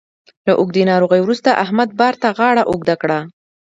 له اوږدې ناروغۍ وروسته احمد بار ته غاړه اوږده کړه